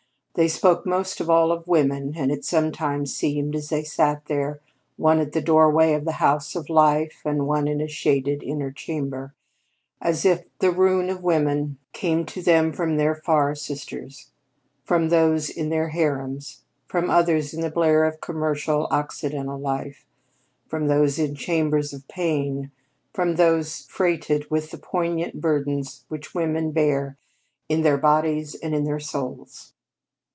They spoke most of all of women, and it sometimes seemed, as they sat there, one at the doorway of the House of Life and one in a shaded inner chamber, as if the rune of women came to them from their far sisters: from those in their harems, from others in the blare of commercial, Occidental life; from those in chambers of pain; from those freighted with the poignant burdens which women bear in their bodies and in their souls.